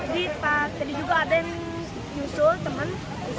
juga ada yang nyusul teman